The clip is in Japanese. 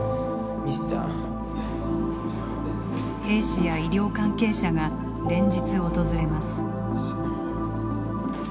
兵士や医療関係者が連日訪れます。